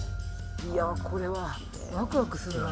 いやあこれはワクワクするな。